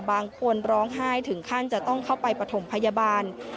บางคนร้องไห้ถึงขั้นจะต้องเข้าไปปฐมพยาบาล